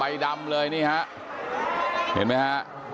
ใบดำเลยนี่ฮะดูไหมฮะ